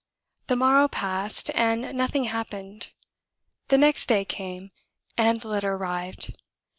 The morrow passed, and nothing happened. The next day came, and the letter arrived!